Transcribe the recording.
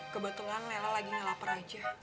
kebetulan lela lagi lapar aja